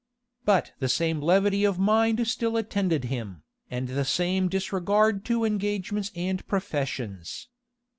But the same levity of mind still attended him, and the same disregard to engagements and professions.